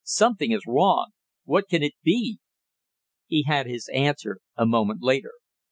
"Something is wrong. What can it be?" He had his answer a moment later.